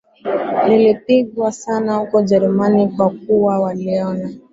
lilipingwa sana huko Ujerumani kwa kuwa waliona